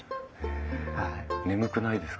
眠くないですか？